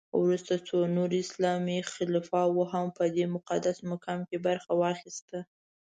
وروسته څو نورو اسلامي خلفاوو هم په دې مقدس مقام کې برخه واخیسته.